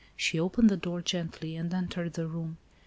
She opened the door gently, and entered , the room.